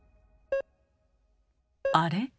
あれ？